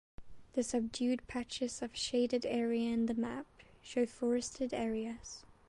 The subdued patches of shaded area in the map show forested areas.